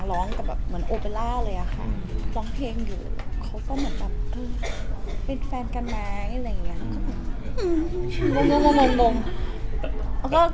ร้องกับแบบเหมือนโอเบล่าเลยอะค่ะร้องเพลงอยู่เขาก็เหมือนแบบเป็นแฟนกันไหมอะไรอย่างนี้